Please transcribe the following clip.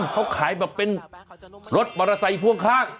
เขาขายแบบเป็นรดปลารัสไซส์ด้วยข้าง